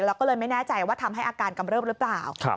แล้วก็เลยไม่แน่ใจว่าทำให้อาการกำเริบหรือเปล่า